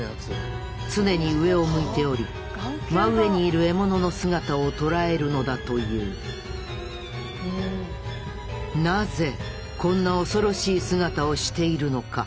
常に上を向いており真上にいる獲物の姿を捉えるのだというなぜこんな恐ろしい姿をしているのか。